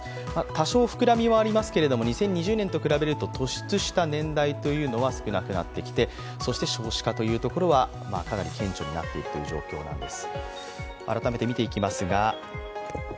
多少膨らみはありますけれども、２０２０年と比べると突出した年代というのは少なくなってきて、そして少子化というところはかなり顕著になっていくという状況なんです。